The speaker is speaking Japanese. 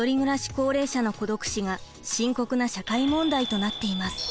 高齢者の孤独死が深刻な社会問題となっています。